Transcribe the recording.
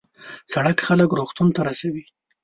سړک خلک روغتون ته رسوي.